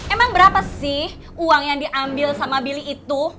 emang berapa sih uang yang diambil sama billy itu